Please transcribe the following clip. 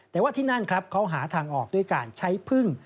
แต่ว่าที่นั่นครับเขาหาทางออกด้วยการใช้พึ่ง